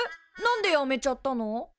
何でやめちゃったの？